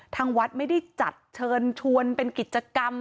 ทางวัดไม่ได้จัดเชิญชวนเป็นกิจกรรม